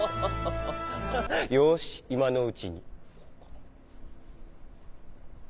よしいまのうちに。